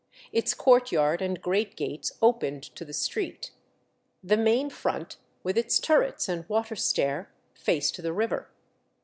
Its courtyard and great gates opened to the street. The main front, with its turrets and water stair, faced the river.